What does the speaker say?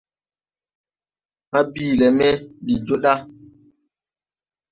Hãã bìin lɛ me ndi joo ɗa.